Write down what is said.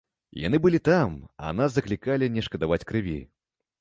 Яны былі там, а нас заклікалі не шкадаваць крыві.